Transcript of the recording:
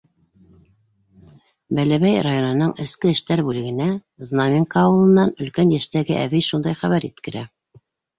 Бәләбәй районының эске эштәр бүлегенә Знаменка ауылынан өлкән йәштәге әбей шундай хәбәр еткерә.